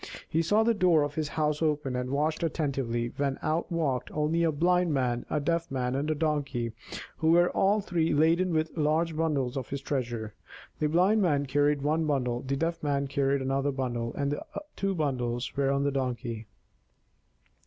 He saw the door of his house open and watched attentively, when out walked only a Blind Man, a Deaf Man, and a Donkey, who were all three laden with large bundles of his treasure. The Blind Man carried one bundle, the Deaf Man carried another bundle, and two bundles were on the Donkey.